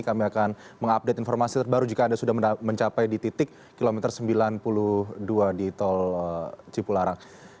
kami akan mengupdate informasi terbaru jika anda sudah mencapai di titik kilometer sembilan puluh dua di tol cipularang